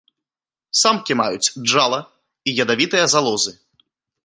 Самкі маюць джала і ядавітыя залозы.